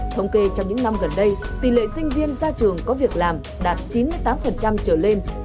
thống kê trong những năm gần đây tỷ lệ sinh viên ra trường có việc làm đạt chín mươi tám trở lên